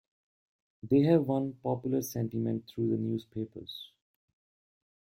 They have won popular sentiment through the newspapers.